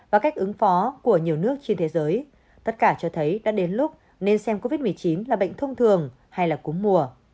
và cách ứng phó của nhiều nước trên thế giới tất cả cho thấy đã đến lúc nên xem covid một mươi chín là bệnh thông thường hay là cú mùa